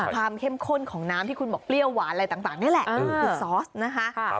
เข้มข้นของน้ำที่คุณบอกเปรี้ยวหวานอะไรต่างนี่แหละคือซอสนะคะ